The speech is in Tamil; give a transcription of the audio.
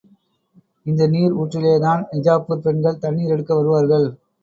இந்த நீர் ஊற்றிலேதான், நிஜாப்பூர் பெண்கள் தண்ணீர் எடுக்க வருவார்கள்.